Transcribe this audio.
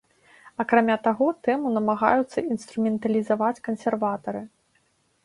Акрамя таго, тэму намагаюцца інструменталізаваць кансерватары.